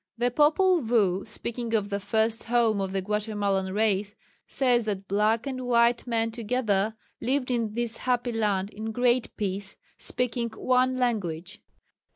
The Popul Vuh, speaking of the first home of the Guatemalan race, says that "black and white men together" lived in this happy land "in great peace," speaking "one language."